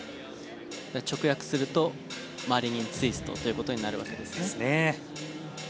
直訳すると「マリニンツイスト」という事になるわけですね。